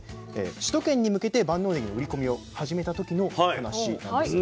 首都圏に向けて万能ねぎの売り込みを始めた時の話なんです。